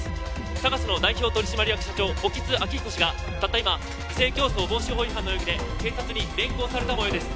ＳＡＧＡＳの代表取締役社長興津晃彦氏がたった今不正競争防止法違反の容疑で警察に連行されたもようです